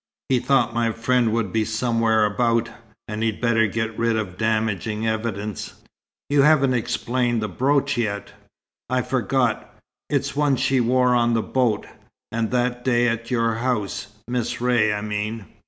He thought my friend would be somewhere about, and he'd better get rid of damaging evidence." "You haven't explained the brooch, yet." "I forgot. It's one she wore on the boat and that day at your house Miss Ray, I mean.